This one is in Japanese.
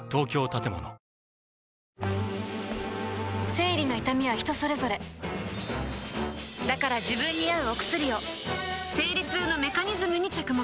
生理の痛みは人それぞれだから自分に合うお薬を生理痛のメカニズムに着目